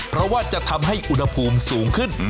เพราะว่าจะทำให้อุณหภูมิสูงขึ้น